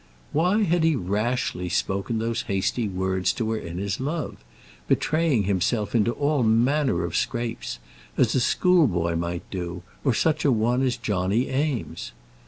Why had he rashly spoken those hasty words to her in his love, betraying himself into all manner of scrapes, as a schoolboy might do, or such a one as Johnny Eames?